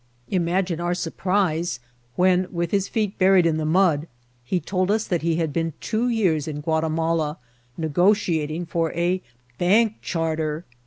Imagine our surprise, when, with his feet buried in the mud, he told us that he had been two years in Guati mala ''negotiating" for a bank charter.